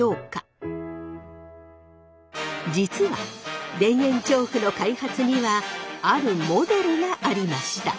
実は田園調布の開発にはあるモデルがありました。